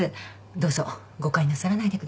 どうぞ誤解なさらないでください。